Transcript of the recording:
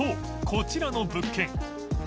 こちらの物件梓